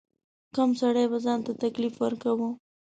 کم سړي به ځان ته تکلیف ورکاوه.